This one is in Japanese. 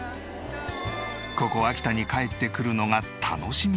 ここ秋田に帰ってくるのが楽しみだという。